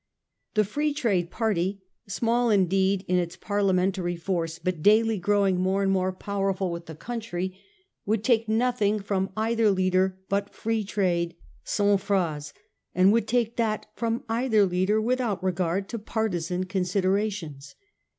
The Free Trade party, small, indeed, in its Parliamentary force, but daily growing more and more powerful with the country, would take nothing from either leader but Free Trade sans phrase ; and would take that from either leader with out regard to partisan considerations.